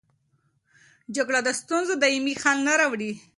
جګړه د ستونزو دایمي حل نه راوړي.